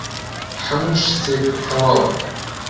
هەموو شتێک تەواوە.